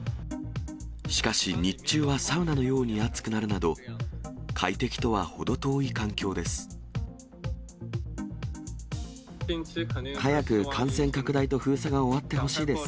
しかし日中はサウナのように暑くなるなど、快適とは程遠い環境です。